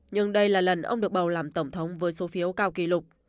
nhưng đây là lần ông được bầu làm tổng thống với số phiếu cao kỷ lục